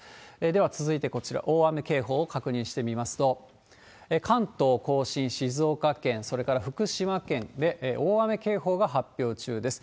では続いてこちら、大雨警報を確認してみますと、関東甲信、静岡県、それから福島県で大雨警報が発表中です。